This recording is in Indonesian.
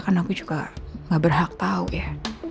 aku juga gak berhak tau ya